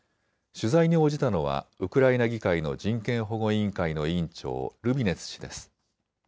取材に応じたのはウクライナ議会の人権保護委員会の委員長、ルビネツ氏です。